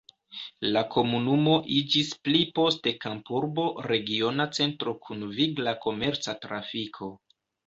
La komunumo iĝis pli poste kampurbo regiona centro kun vigla komerca trafiko.